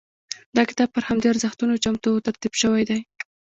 دا کتاب پر همدې ارزښتونو چمتو او ترتیب شوی دی.